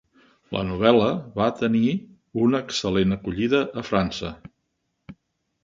La novel·la va tenir una excel·lent acollida a França.